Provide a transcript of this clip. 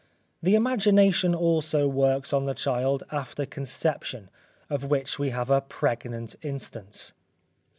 The imagination also works on the child, after conception, of which we have a pregnant instance.